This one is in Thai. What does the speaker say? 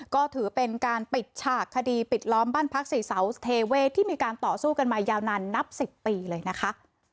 ก็ถือเป็นการปิดฉากคดีปิดล้อมบ้านพักสี่เสาเทเวศที่มีการต่อสู้กันมายาวนานนับ๑๐ปีเลยนะคะ